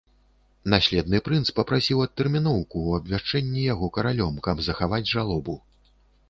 Наследны прынц папрасіў адтэрміноўку ў абвяшчэнні яго каралём, каб захаваць жалобу.